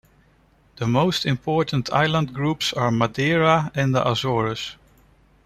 The most important island groups are Madeira and the Azores.